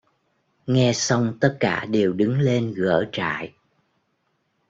Nghe xong tất cả đều đứng lên gỡ trại